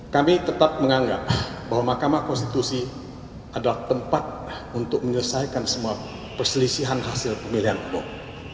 kami tetap menganggap bahwa mahkamah konstitusi adalah tempat untuk menyelesaikan semua perselisihan hasil pemilihan umum